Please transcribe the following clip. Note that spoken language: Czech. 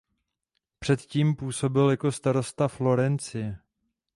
Předtím působil jako starosta Florencie.